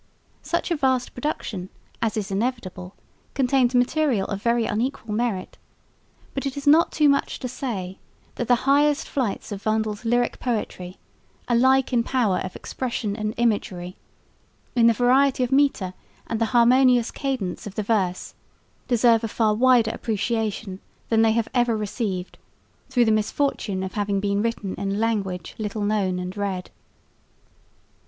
Such a vast production, as is inevitable, contains material of very unequal merit; but it is not too much to say that the highest flights of Vondel's lyric poetry, alike in power of expression and imagery, in the variety of metre and the harmonious cadence of the verse, deserve a far wider appreciation than they have ever received, through the misfortune of having been written in a language little known and read.